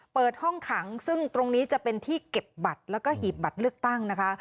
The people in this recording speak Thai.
เปิดห้องขังซึ่งตรงนี้จะเป็นที่เก็บบัตรแล้วก็หีบบัตรเลือกตั้งนะคะ